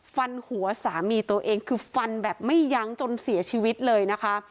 ฟันหัวสามีตัวเองคือฟันแบบไม่ยั้งจนเสียชีวิตเลยนะคะ